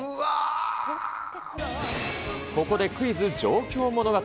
ここでクイズ上京物語。